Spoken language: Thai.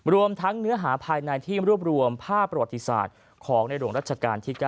รวมทั้งเนื้อหาภายในที่รวบรวมภาพประวัติศาสตร์ของในหลวงรัชกาลที่๙